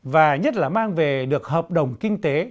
và nhất là mang về được hợp đồng kinh tế